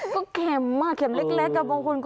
ก็แข็มมากแข็มเล็กกับบางคน